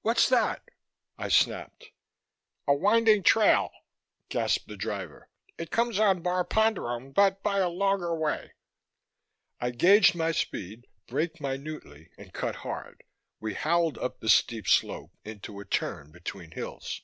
"What's that?" I snapped. "A winding trail," gasped the driver. "It comes on Bar Ponderone, but by a longer way." I gauged my speed, braked minutely, and cut hard. We howled up the steep slope, into a turn between hills.